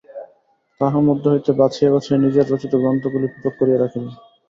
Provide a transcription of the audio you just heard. তাহার মধ্য হইতে বাছিয়া বাছিয়া নিজের রচিত গ্রন্থগুলি পৃথক করিয়া রাখিলেন।